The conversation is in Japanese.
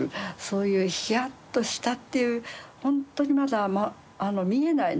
そういうヒヤッとしたっていうほんとにまだ見えない